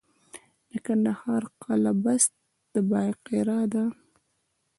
د کندهار قلعه بست د بایقرا ده